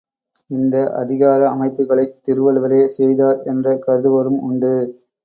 இந்த அதிகார அமைப்புகளைத் திருவள்ளுவரே செய்தார் என்று கருதுவோரும் உண்டு.